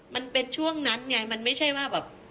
มันเป็นช่วงนั้นไงมันไม่ใช่ว่าแบบ